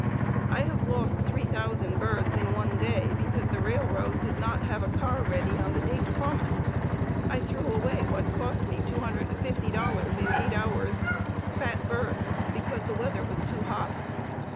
I have lost 3,000 birds in one day because the railroad did not have a car ready on the date promised. I threw away what cost me $250 in eight hours, fat birds, because the weather was too hot.